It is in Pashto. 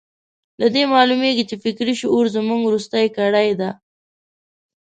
له دې معلومېږي چې فکري شعور زموږ وروستۍ کړۍ ده.